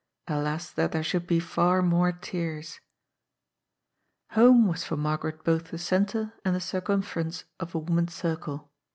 Alas that there should be far more tears ! Home was for Margaret both the centre and the circum ference of a woman's circle.